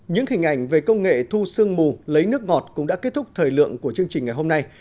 chương trình về công nghệ thu sườn mù lấy nước ngọt cũng đã kết thúc thời lượng của chương trình ngày hôm nay